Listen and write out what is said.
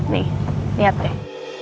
nih lihat deh